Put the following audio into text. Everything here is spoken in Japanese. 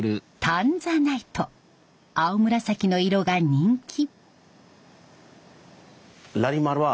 青紫の色が人気。